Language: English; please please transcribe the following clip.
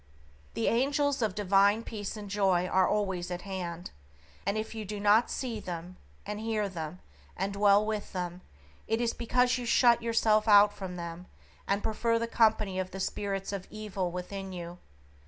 The angels of divine peace and joy are always at hand, and if you do not see them, and hear them, and dwell with them, it is because you shut yourself out from them, and prefer the company of the spirits of evil within you.